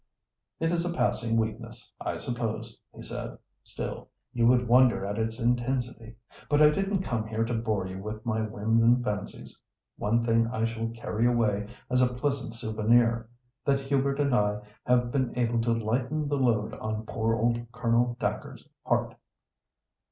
"It is a passing weakness, I suppose," he said; "still, you would wonder at its intensity. But I didn't come here to bore you with my whims and fancies. One thing I shall carry away as a pleasant souvenir—that Hubert and I have been able to lighten the load on poor old Colonel Dacre's heart."